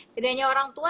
tidak hanya orang tua